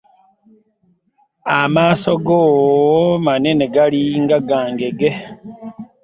Amaaso go manene galinga ga ngege.